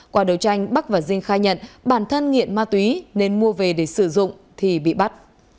quả đầu tranh bắc và danh khai nhận bản thân nghiện ma túy nên mua về để sử dụng thì bị bắt